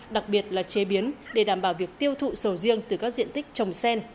đặc biệt là chế biến để đảm bảo việc tiêu thụ sầu riêng từ các diện tích trồng sen